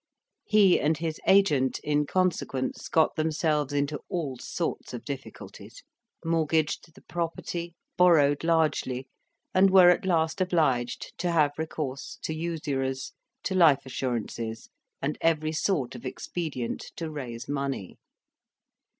He and his agent, in consequence, got themselves into all sorts of difficulties, mortgaged the property, borrowed largely, and were at last obliged to have recourse to usurers, to life assurances, and every sort of expedient to raise money.